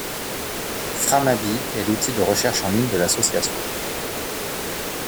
Framabee est l'outil de recherche en ligne de l'association.